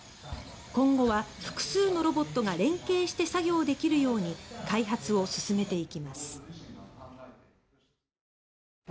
今後は、複数のロボットが連携して作業できるように開発を進めていきます。